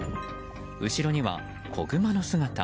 後ろには子グマの姿。